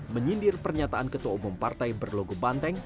menyindir pernyataan ketua umum partai berlogo banteng